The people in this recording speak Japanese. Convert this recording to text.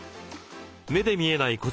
目で見えない